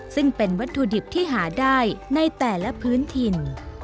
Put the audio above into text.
ซึ่งเป็นวัตถุดิบที่หาได้ในแต่ละพื้นถิ่น